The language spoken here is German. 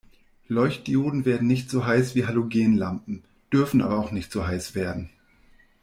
Leuchtdioden werden nicht so heiß wie Halogenlampen, dürfen aber auch nicht so heiß werden.